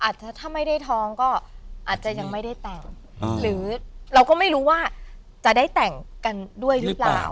ถ้าไม่ได้ท้องก็อาจจะยังไม่ได้แต่งหรือเราก็ไม่รู้ว่าจะได้แต่งกันด้วยหรือเปล่า